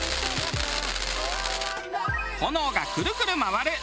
炎がクルクル回る葵